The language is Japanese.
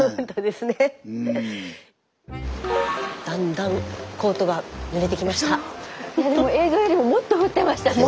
スタジオいやでも映像よりももっと降ってましたね